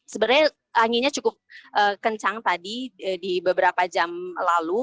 sebenarnya anginnya cukup kencang tadi di beberapa jam lalu